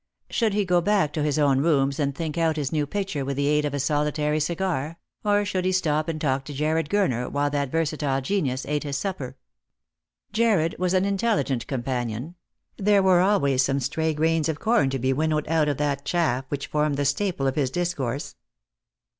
Should he go back to his own rooms and think out his new picture with the aid of a solitary cigar, or should he stop and talk to Jarred Gurner while that versatile genius ate his supper ? Jarred was an intelligent companion ; there were always some stray grains of corn to be winnowed out of that chaff which formed the staple of his discourse.